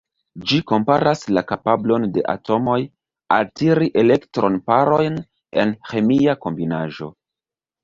Ĝi komparas la kapablon de atomoj altiri elektron-parojn en ĥemia kombinaĵo.